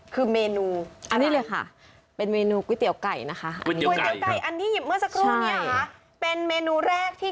คือเมนูอันนี้เลยค่ะเป็นเมนูก๋วยเตี๋ยวไก่นะคะ